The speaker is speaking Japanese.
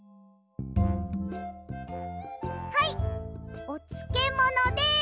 はいおつけものです。